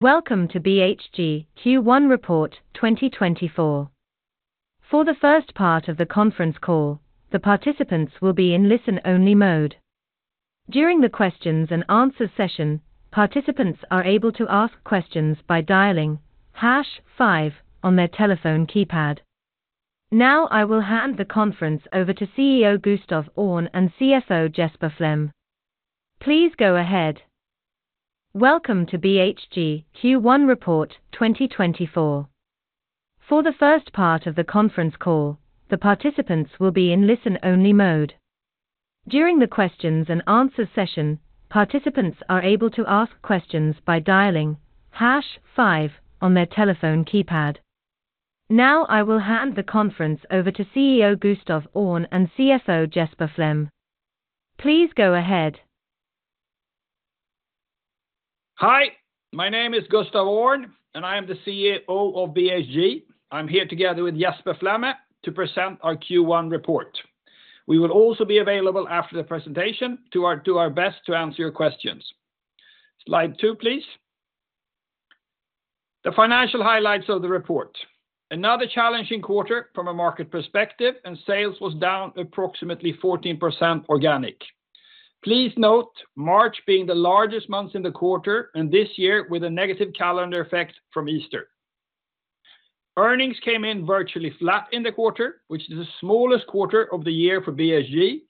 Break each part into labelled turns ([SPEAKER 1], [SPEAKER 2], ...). [SPEAKER 1] Welcome to BHG Q1 Report 2024. For the first part of the conference call, the participants will be in listen-only mode. During the questions and answers session, participants are able to ask questions by dialing #five on their telephone keypad. Now I will hand the conference over to CEO Gustaf Öhrn and CFO Jesper Flemme. Please go ahead.
[SPEAKER 2] Hi, my name is Gustaf Öhrn, and I am the CEO of BHG. I'm here together with Jesper Flemme to present our Q1 report. We will also be available after the presentation to our best to answer your questions. Slide two, please. The financial highlights of the report: another challenging quarter from a market perspective, and sales was down approximately 14% organic. Please note March being the largest month in the quarter and this year with a negative calendar effect from Easter. Earnings came in virtually flat in the quarter, which is the smallest quarter of the year for BHG,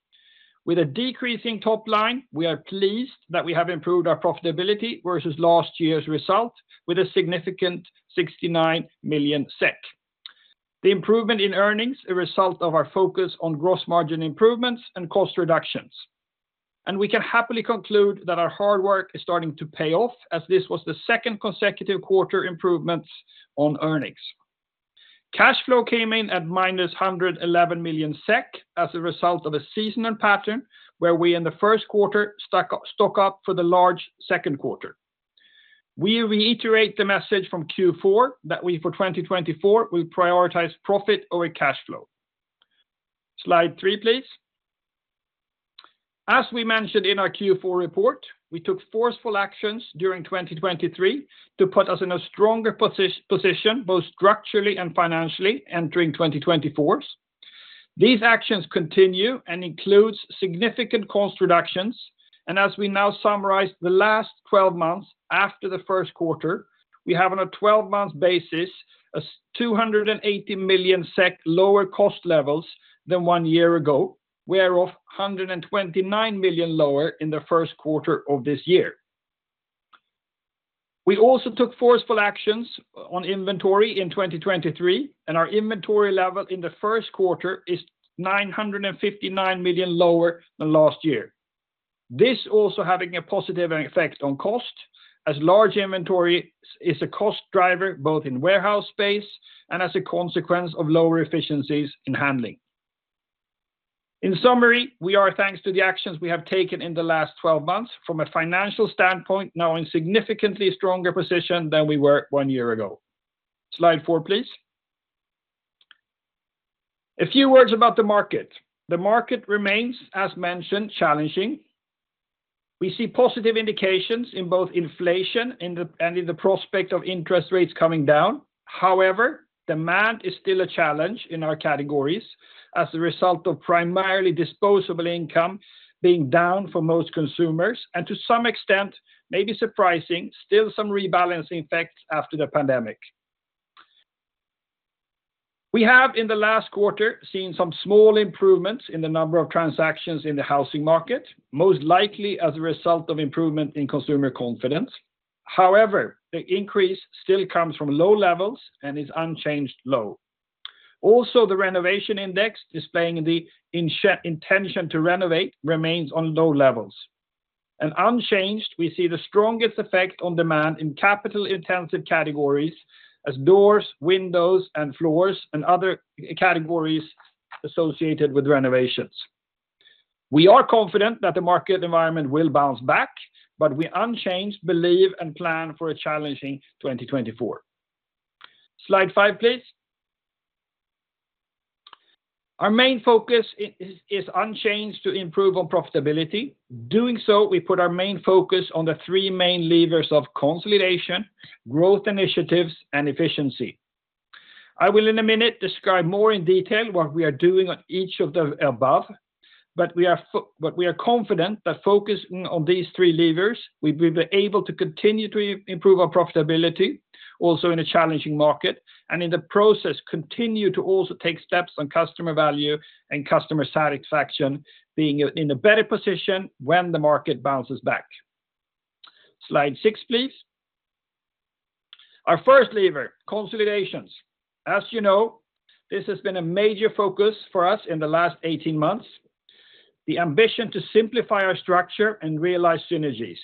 [SPEAKER 2] with a decreasing top line. We are pleased that we have improved our profitability versus last year's result with a significant 69 million SEK. The improvement in earnings is a result of our focus on gross margin improvements and cost reductions, and we can happily conclude that our hard work is starting to pay off as this was the second consecutive quarter improvements on earnings. Cash flow came in at -111 million SEK as a result of a seasonal pattern where we in the first quarter stocked up for the large second quarter. We reiterate the message from Q4 that we for 2024 will prioritize profit over cash flow. Slide three, please. As we mentioned in our Q4 report, we took forceful actions during 2023 to put us in a stronger position both structurally and financially entering 2024. These actions continue and include significant cost reductions, and as we now summarize the last 12 months after the first quarter, we have on a 12-month basis 280 million SEK lower cost levels than one year ago, whereof 129 million lower in the first quarter of this year. We also took forceful actions on inventory in 2023, and our inventory level in the first quarter is 959 million lower than last year. This also has a positive effect on cost as large inventory is a cost driver both in warehouse space and as a consequence of lower efficiencies in handling. In summary, we are thanks to the actions we have taken in the last 12 months from a financial standpoint now in a significantly stronger position than we were one year ago. Slide four, please. A few words about the market: the market remains, as mentioned, challenging. We see positive indications in both inflation and in the prospect of interest rates coming down. However, demand is still a challenge in our categories as a result of primarily disposable income being down for most consumers and, to some extent, maybe surprising, still some rebalancing effects after the pandemic. We have in the last quarter seen some small improvements in the number of transactions in the housing market, most likely as a result of improvement in consumer confidence. However, the increase still comes from low levels and is unchanged low. Also, the renovation index displaying the intention to renovate remains on low levels, and unchanged we see the strongest effect on demand in capital-intensive categories as doors, windows, and floors, and other categories associated with renovations. We are confident that the market environment will bounce back, but we unchanged believe and plan for a challenging 2024. Slide five, please. Our main focus is unchanged to improve on profitability. Doing so, we put our main focus on the three main levers of consolidation, growth initiatives, and efficiency. I will in a minute describe more in detail what we are doing on each of the above, but we are confident that focusing on these three levers we will be able to continue to improve our profitability also in a challenging market and, in the process, continue to also take steps on customer value and customer satisfaction, being in a better position when the market bounces back. Slide 6, please. Our first lever: consolidations. As you know, this has been a major focus for us in the last 18 months: the ambition to simplify our structure and realize synergies.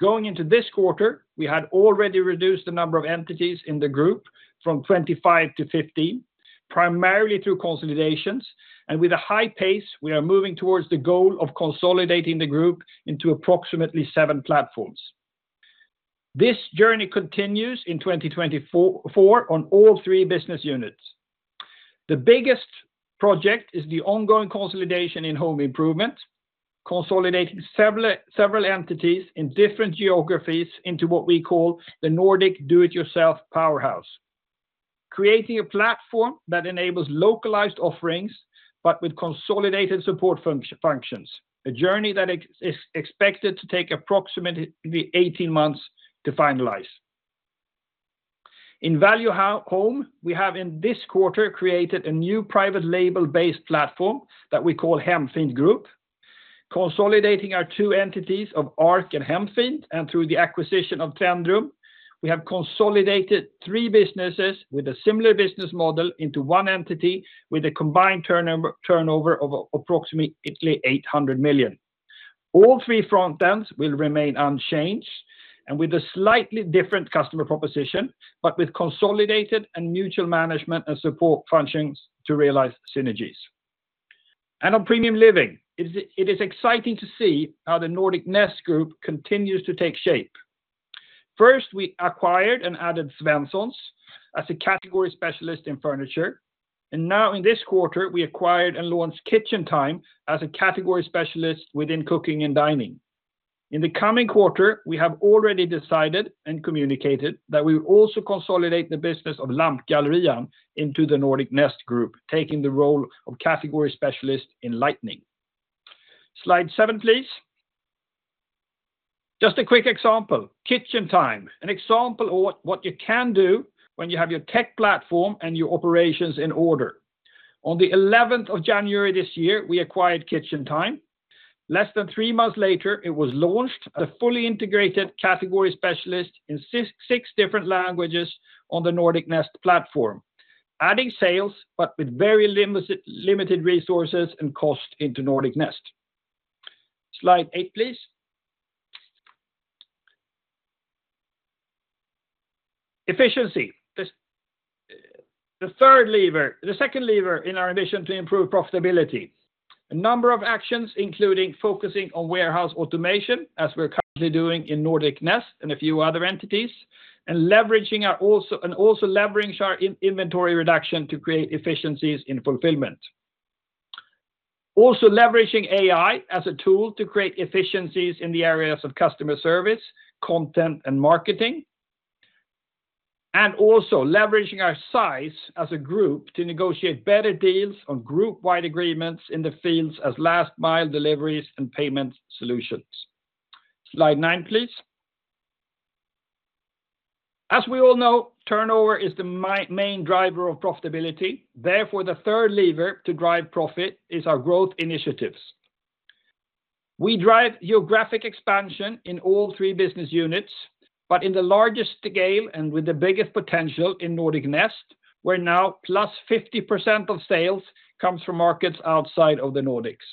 [SPEAKER 2] Going into this quarter, we had already reduced the number of entities in the group from 25 to 15, primarily through consolidations, and with a high pace, we are moving towards the goal of consolidating the group into approximately seven platforms. This journey continues in 2024 on all three business units. The biggest project is the ongoing consolidation in Home Improvement, consolidating several entities in different geographies into what we call the Nordic Do-It-Yourself Powerhouse, creating a platform that enables localized offerings but with consolidated support functions, a journey that is expected to take approximately 18 months to finalize. In Value Home, we have in this quarter created a new private label-based platform that we call Hemfint Group, consolidating our two entities of Arc and Hemfint, and through the acquisition of Trendrum, we have consolidated three businesses with a similar business model into one entity with a combined turnover of approximately 800 million. All three front ends will remain unchanged and with a slightly different customer proposition but with consolidated and mutual management and support functions to realize synergies. On Premium Living, it is exciting to see how the Nordic Nest Group continues to take shape. First, we acquired and added Svenssons as a category specialist in furniture, and now in this quarter, we acquired and launched KitchenTime as a category specialist within cooking and dining. In the coming quarter, we have already decided and communicated that we will also consolidate the business of Lampgallerian into the Nordic Nest Group, taking the role of category specialist in lighting. Slide seven, please. Just a quick example: KitchenTime, an example of what you can do when you have your tech platform and your operations in order. On the 11th of January this year, we acquired KitchenTime. Less than three months later, it was launched as a fully integrated category specialist in six different languages on the Nordic Nest platform, adding sales but with very limited resources and cost into Nordic Nest. Slide eight, please. Efficiency: the third lever, the second lever in our ambition to improve profitability. A number of actions, including focusing on warehouse automation as we're currently doing in Nordic Nest and a few other entities, and leveraging our inventory reduction to create efficiencies in fulfillment. Also leveraging AI as a tool to create efficiencies in the areas of customer service, content, and marketing, and also leveraging our size as a group to negotiate better deals on group-wide agreements in the fields of last-mile deliveries and payment solutions. Slide nine, please. As we all know, turnover is the main driver of profitability. Therefore, the third lever to drive profit is our growth initiatives. We drive geographic expansion in all three business units, but in the largest scale and with the biggest potential in Nordic Nest, we're now +50% of sales comes from markets outside of the Nordics.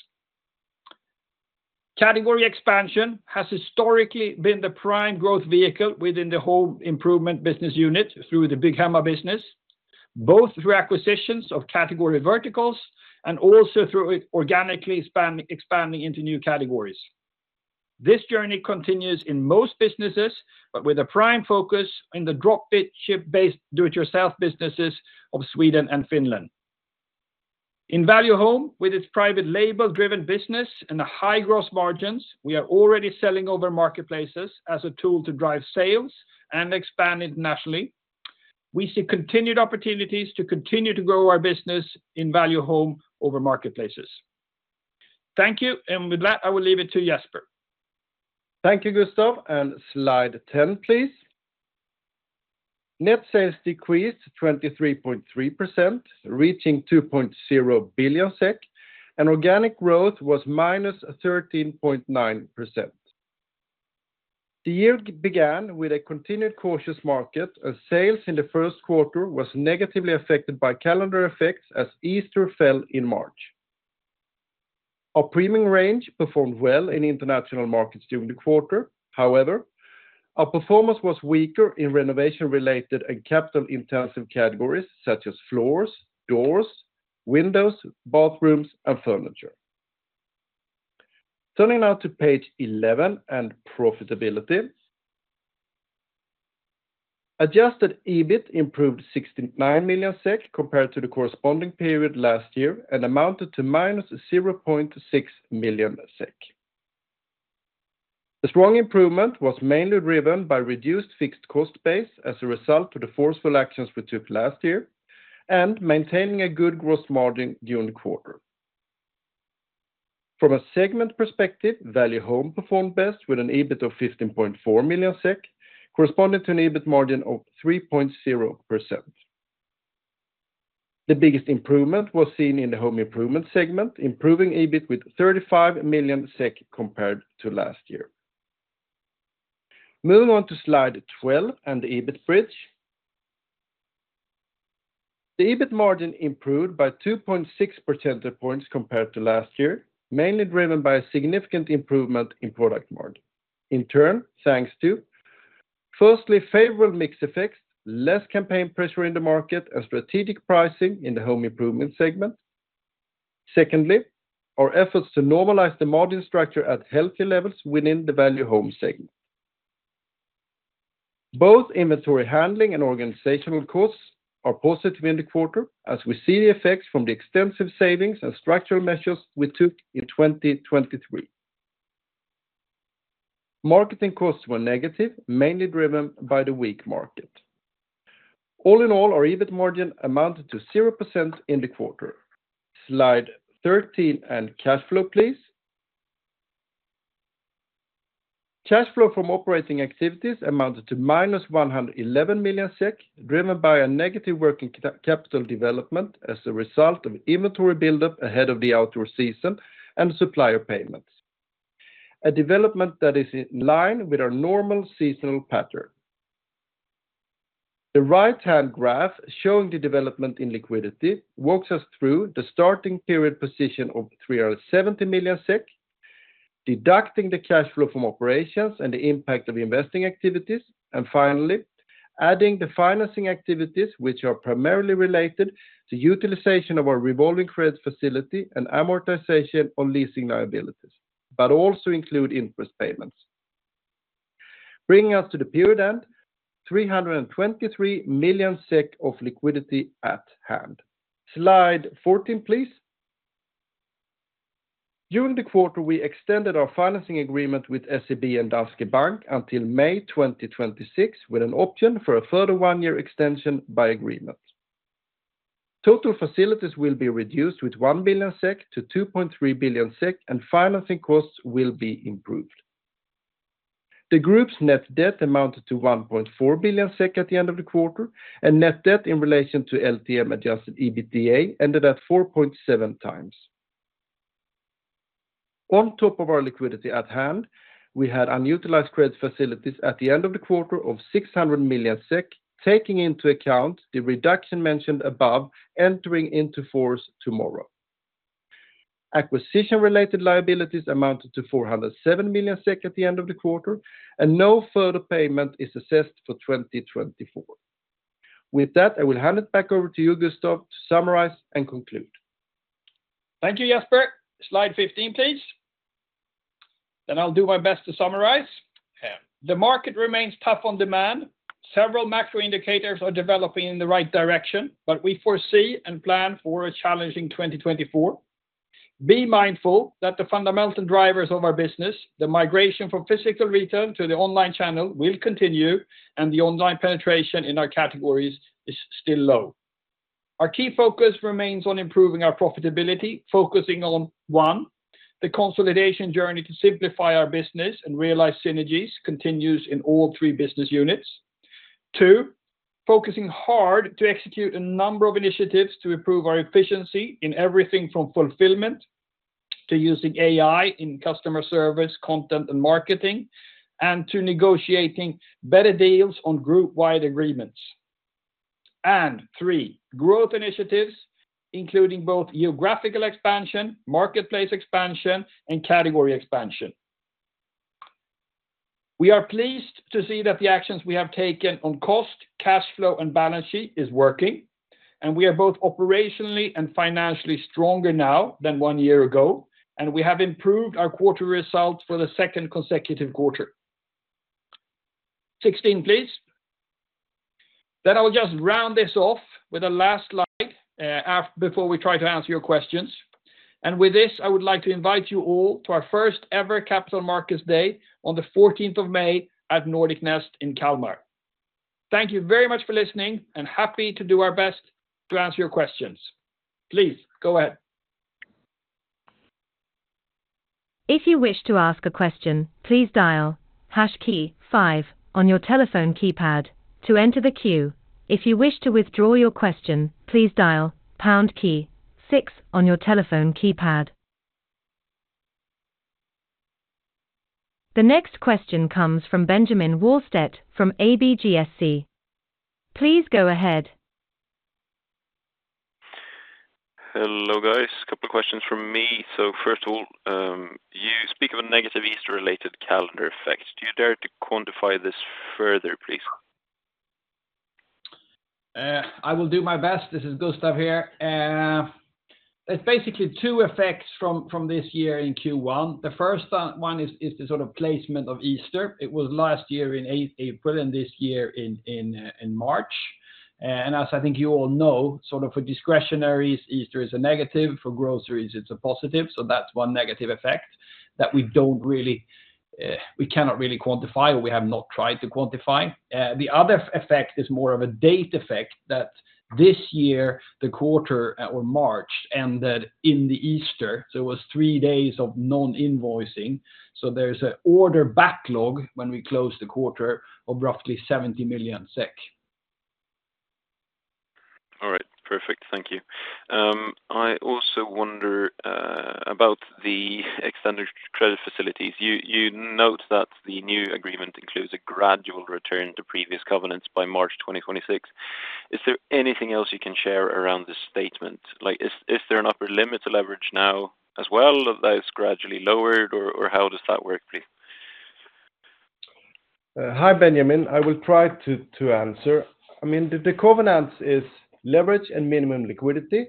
[SPEAKER 2] Category expansion has historically been the prime growth vehicle within the home improvement business unit through the Bygghemma business, both through acquisitions of category verticals and also through organically expanding into new categories. This journey continues in most businesses but with a prime focus in the dropship-based Do-It-Yourself businesses of Sweden and Finland. In Value Home, with its private label-driven business and high gross margins, we are already selling over marketplaces as a tool to drive sales and expand internationally. We see continued opportunities to continue to grow our business in Value Home over marketplaces. Thank you, and with that, I will leave it to Jesper.
[SPEAKER 3] Thank you, Gustaf. Slide 10, please. Net sales decreased 23.3%, reaching 2.0 billion SEK, and organic growth was -13.9%. The year began with a continued cautious market, and sales in the first quarter were negatively affected by calendar effects as Easter fell in March. Our premium range performed well in international markets during the quarter. However, our performance was weaker in renovation-related and capital-intensive categories such as floors, doors, windows, bathrooms, and furniture. Turning now to page 11 and profitability: adjusted EBIT improved 69 million SEK compared to the corresponding period last year and amounted to -0.6 million SEK. The strong improvement was mainly driven by reduced fixed cost base as a result of the forceful actions we took last year and maintaining a good gross margin during the quarter. From a segment perspective, Value Home performed best with an EBIT of 15.4 million SEK, corresponding to an EBIT margin of 3.0%. The biggest improvement was seen in the home improvement segment, improving EBIT with 35 million SEK compared to last year. Moving on to slide 12 and the EBIT bridge: the EBIT margin improved by 2.6 percentage points compared to last year, mainly driven by a significant improvement in product margin. In turn, thanks to: firstly, favorable mix effects, less campaign pressure in the market, and strategic pricing in the home improvement segment. Secondly, our efforts to normalize the margin structure at healthy levels within the Value Home segment. Both inventory handling and organizational costs are positive in the quarter as we see the effects from the extensive savings and structural measures we took in 2023. Marketing costs were negative, mainly driven by the weak market. All in all, our EBIT margin amounted to 0% in the quarter. Slide 13 and cash flow, please. Cash flow from operating activities amounted to -111 million SEK, driven by a negative working capital development as a result of inventory buildup ahead of the outdoor season and supplier payments, a development that is in line with our normal seasonal pattern. The right-hand graph showing the development in liquidity walks us through the starting period position of 370 million SEK, deducting the cash flow from operations and the impact of investing activities, and finally adding the financing activities, which are primarily related to utilization of our revolving credit facility and amortization on leasing liabilities but also include interest payments. Bringing us to the period end: 323 million SEK of liquidity at hand. Slide 14, please. During the quarter, we extended our financing agreement with SEB and Danske Bank until May 2026 with an option for a further one-year extension by agreement. Total facilities will be reduced with 1 billion SEK to 2.3 billion SEK, and financing costs will be improved. The group's net debt amounted to 1.4 billion SEK at the end of the quarter, and net debt in relation to LTM-adjusted EBITDA ended at 4.7x. On top of our liquidity at hand, we had unutilized credit facilities at the end of the quarter of 600 million SEK, taking into account the reduction mentioned above entering into force tomorrow. Acquisition-related liabilities amounted to 407 million SEK at the end of the quarter, and no further payment is assessed for 2024. With that, I will hand it back over to you, Gustaf, to summarize and conclude.
[SPEAKER 2] Thank you, Jesper. Slide 15, please. Then I'll do my best to summarize. The market remains tough on demand. Several macro indicators are developing in the right direction, but we foresee and plan for a challenging 2024. Be mindful that the fundamental drivers of our business, the migration from physical retail to the online channel, will continue, and the online penetration in our categories is still low. Our key focus remains on improving our profitability, focusing on: one, the consolidation journey to simplify our business and realize synergies continues in all three business units. Two, focusing hard to execute a number of initiatives to improve our efficiency in everything from fulfillment to using AI in customer service, content, and marketing, and to negotiating better deals on group-wide agreements. And three, growth initiatives including both geographical expansion, marketplace expansion, and category expansion. We are pleased to see that the actions we have taken on cost, cash flow, and balance sheet are working, and we are both operationally and financially stronger now than one year ago, and we have improved our quarterly results for the second consecutive quarter. 16, please. Then I will just round this off with a last slide before we try to answer your questions, and with this, I would like to invite you all to our first-ever Capital Markets Day on the 14th of May at Nordic Nest in Kalmar. Thank you very much for listening, and happy to do our best to answer your questions. Please, go ahead.
[SPEAKER 1] If you wish to ask a question, please dial #KEYFIVE on your telephone keypad to enter the queue. If you wish to withdraw your question, please dial #POUNDKEYSIX on your telephone keypad. The next question comes from Benjamin Wahlstedt from ABGSC. Please go ahead.
[SPEAKER 4] Hello guys, couple of questions from me. So first of all, you speak of a negative Easter-related calendar effect. Do you dare to quantify this further, please?
[SPEAKER 2] I will do my best. This is Gustaf here. There's basically two effects from this year in Q1. The first one is the sort of placement of Easter. It was last year in April and this year in March. And as I think you all know, sort of for discretionaries, Easter is a negative; for groceries, it's a positive. So that's one negative effect that we cannot really quantify or we have not tried to quantify. The other effect is more of a date effect that this year, the quarter or March, ended in the Easter. So it was three days of non-invoicing. So there's an order backlog when we closed the quarter of roughly 70 million SEK.
[SPEAKER 4] All right, perfect. Thank you. I also wonder about the extended credit facilities. You note that the new agreement includes a gradual return to previous covenants by March 2026. Is there anything else you can share around this statement? Is there an upper limit to leverage now as well that's gradually lowered, or how does that work, please?
[SPEAKER 3] Hi Benjamin. I will try to answer. I mean, the covenants are leverage and minimum liquidity.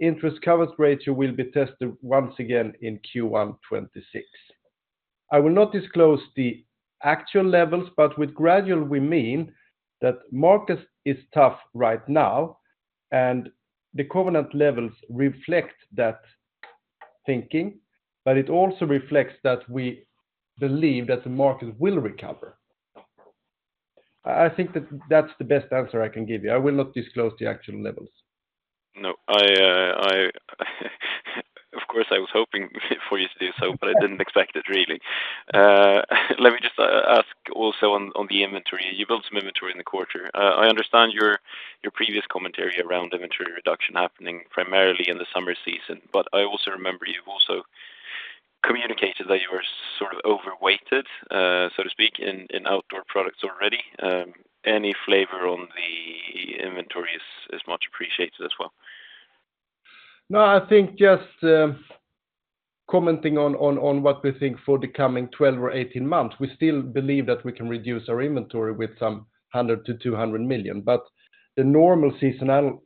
[SPEAKER 3] Interest coverage ratio will be tested once again in Q1 2026. I will not disclose the actual levels, but with gradual, we mean that the market is tough right now, and the covenant levels reflect that thinking, but it also reflects that we believe that the market will recover. I think that that's the best answer I can give you. I will not disclose the actual levels.
[SPEAKER 4] No, of course, I was hoping for you to do so, but I didn't expect it, really. Let me just ask also on the inventory. You built some inventory in the quarter. I understand your previous commentary around inventory reduction happening primarily in the summer season, but I also remember you've also communicated that you were sort of overweighted, so to speak, in outdoor products already. Any flavor on the inventory is much appreciated as well.
[SPEAKER 3] No, I think just commenting on what we think for the coming 12 or 18 months, we still believe that we can reduce our inventory with some SEK 100million-200 million, but the normal seasonal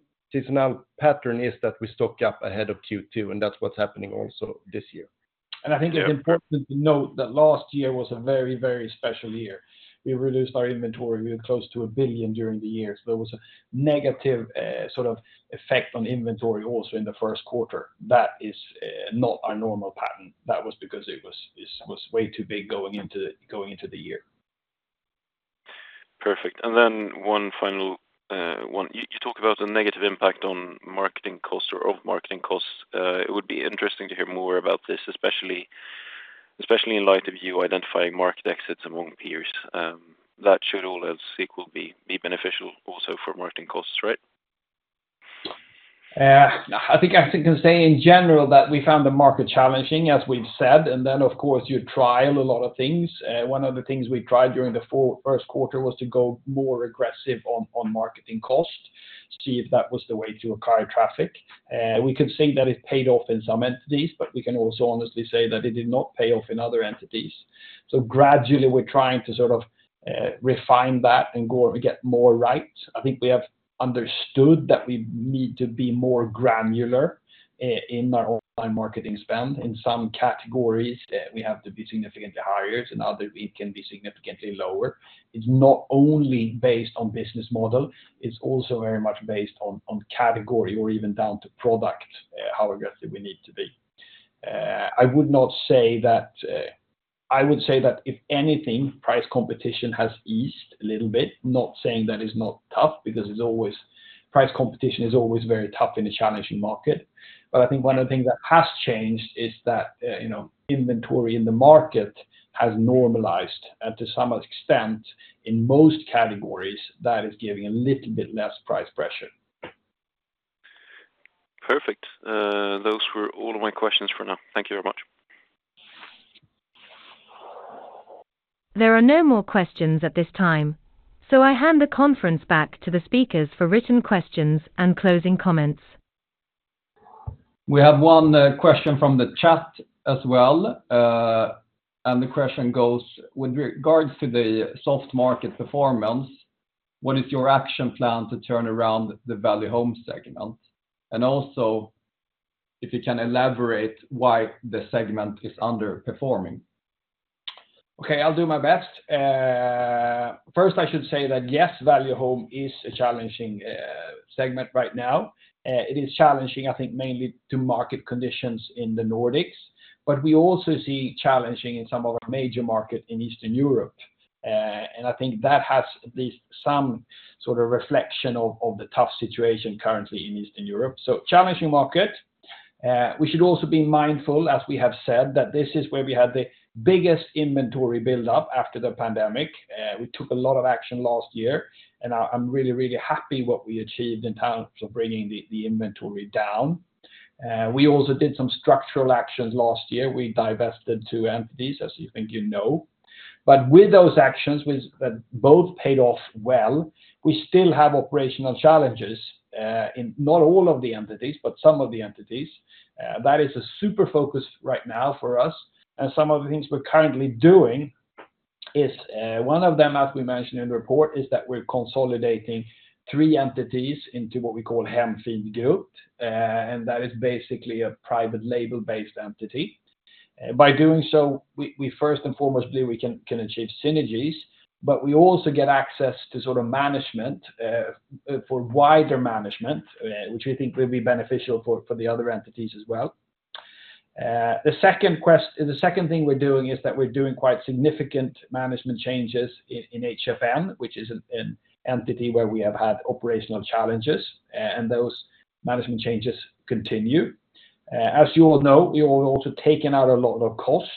[SPEAKER 3] pattern is that we stock up ahead of Q2, and that's what's happening also this year.
[SPEAKER 2] I think it's important to note that last year was a very, very special year. We reduced our inventory. We were close to 1 billion during the year, so there was a negative sort of effect on inventory also in the first quarter. That is not our normal pattern. That was because it was way too big going into the year.
[SPEAKER 4] Perfect. And then one final one. You talk about a negative impact on marketing costs or of marketing costs. It would be interesting to hear more about this, especially in light of you identifying market exits among peers. That should all else equal be beneficial also for marketing costs, right?
[SPEAKER 2] I think I can say in general that we found the market challenging, as we've said, and then, of course, you trial a lot of things. One of the things we tried during the first quarter was to go more aggressive on marketing costs, see if that was the way to acquire traffic. We could say that it paid off in some entities, but we can also honestly say that it did not pay off in other entities. So gradually, we're trying to sort of refine that and get more right. I think we have understood that we need to be more granular in our online marketing spend. In some categories, we have to be significantly higher, and others, it can be significantly lower. It's not only based on business model. It's also very much based on category or even down to product, how aggressive we need to be. I would not say that. I would say that if anything, price competition has eased a little bit. Not saying that it's not tough because it's always price competition is always very tough in a challenging market. But I think one of the things that has changed is that inventory in the market has normalized, and to some extent, in most categories, that is giving a little bit less price pressure.
[SPEAKER 4] Perfect. Those were all of my questions for now. Thank you very much.
[SPEAKER 1] There are no more questions at this time, so I hand the conference back to the speakers for written questions and closing comments.
[SPEAKER 3] We have one question from the chat as well, and the question goes, "With regards to the soft market performance, what is your action plan to turn around the Value Home segment?" And also, if you can elaborate why the segment is underperforming.
[SPEAKER 2] Okay, I'll do my best. First, I should say that yes, Value Home is a challenging segment right now. It is challenging, I think, mainly to market conditions in the Nordics, but we also see it challenging in some of our major markets in Eastern Europe. And I think that has at least some sort of reflection of the tough situation currently in Eastern Europe. So challenging market. We should also be mindful, as we have said, that this is where we had the biggest inventory buildup after the pandemic. We took a lot of action last year, and I'm really, really happy with what we achieved in terms of bringing the inventory down. We also did some structural actions last year. We divested two entities, as you think you know. But with those actions that both paid off well, we still have operational challenges in not all of the entities, but some of the entities. That is a super focus right now for us. Some of the things we're currently doing is one of them, as we mentioned in the report, is that we're consolidating three entities into what we call Hemfint Group, and that is basically a private label-based entity. By doing so, first and foremost, we can achieve synergies, but we also get access to sort of management for wider management, which we think will be beneficial for the other entities as well. The second thing we're doing is that we're doing quite significant management changes in HFN, which is an entity where we have had operational challenges, and those management changes continue. As you all know, we have also taken out a lot of cost.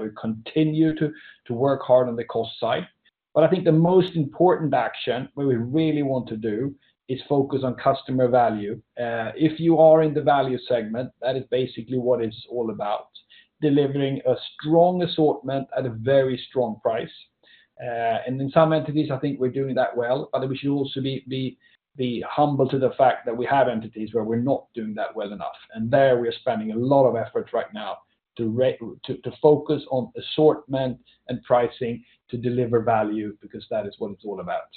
[SPEAKER 2] We continue to work hard on the cost side. But I think the most important action we really want to do is focus on customer value. If you are in the value segment, that is basically what it's all about: delivering a strong assortment at a very strong price. And in some entities, I think we're doing that well, but we should also be humble to the fact that we have entities where we're not doing that well enough. And there, we are spending a lot of effort right now to focus on assortment and pricing to deliver value because that is what it's all about.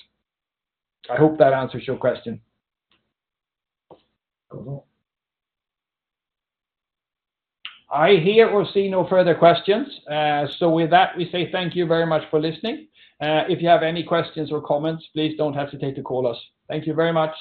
[SPEAKER 2] I hope that answers your question. I hear or see no further questions. With that, we say thank you very much for listening. If you have any questions or comments, please don't hesitate to call us. Thank you very much.